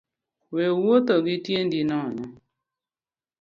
We wuotho gi tiendi nono